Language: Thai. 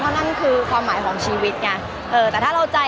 มันเป็นเรื่องน่ารักที่เวลาเจอกันเราต้องแซวอะไรอย่างเงี้ย